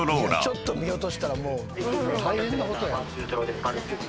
ちょっと見落としたらもう大変なことや。